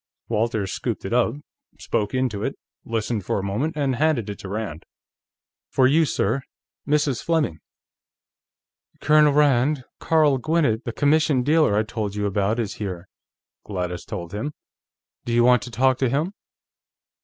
Walters scooped it up, spoke into it, listened for a moment, and handed it to Rand. "For you, sir; Mrs. Fleming." "Colonel Rand, Carl Gwinnett, the commission dealer I told you about is here," Gladys told him. "Do you want to talk to him?"